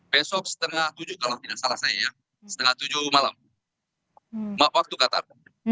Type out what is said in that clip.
besok setengah tujuh kalau tidak salah saya ya setengah tujuh malam waktu qatar